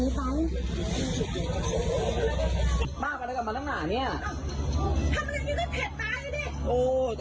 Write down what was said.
เมื่อก่อนหนีก็ทำร้ายมันจำไว้สวบรวมวิคับว่าจะมีเรื่องสะดวกผ้วงวดฮาปรม